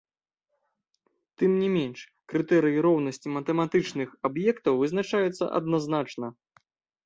Тым не менш, крытэрыі роўнасці матэматычных аб'ектаў вызначаюцца адназначна.